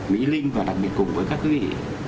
mỹ linh và đặc biệt cùng với các quý vị